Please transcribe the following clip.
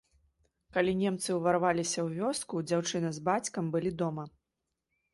Калі немцы ўварваліся ў вёску, дзяўчына з бацькам былі дома.